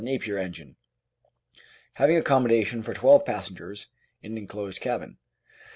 Napier engine, having accommodation for twelve passengers in an enclosed cabin.